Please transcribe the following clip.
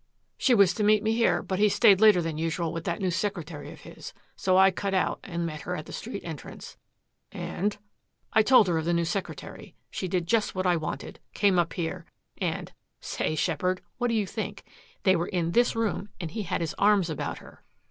"She was to meet me here, but he stayed later than usual with that new secretary of his. So I cut out and met her at the street entrance." "And?" "I told her of the new secretary. She did just what I wanted came up here and, say Sheppard what do you think? They were in this room and he had his arms about her!"